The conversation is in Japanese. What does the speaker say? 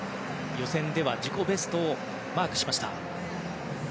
予選では自己ベストをマークしました。